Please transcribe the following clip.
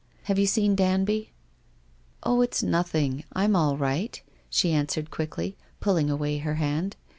Have you seen Danby ?" "Oh, it's nothing. I'm all right," she answered nervously, pulling away her* hand.